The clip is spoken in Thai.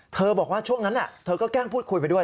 บอกว่าช่วงนั้นเธอก็แกล้งพูดคุยไปด้วย